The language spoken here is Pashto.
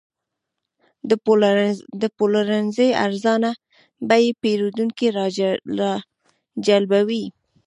د پلورنځي ارزانه بیې پیرودونکي راجلبوي.